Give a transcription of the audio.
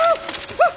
あっ！